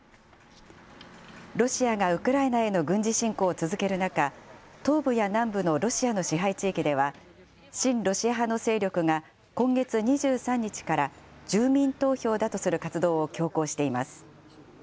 ロシアがウクライナへの軍事侵攻を続ける中、東部や南部のロシアの支配地域では、親ロシア派の勢力が今月２３日から住民投票だとする活動を強行しています。